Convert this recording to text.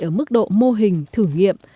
ở mức độ mô hình thử nghiệm